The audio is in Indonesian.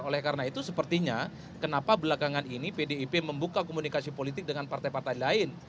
oleh karena itu sepertinya kenapa belakangan ini pdip membuka komunikasi politik dengan partai partai lain